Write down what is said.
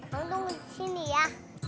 bang tunggu di sini ya